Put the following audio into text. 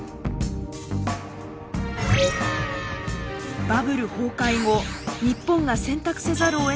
バブル崩壊後日本が選択せざるをえなかった安さ。